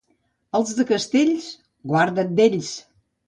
Els de Castells, guarda't d'ells.